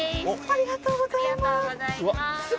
ありがとうございます。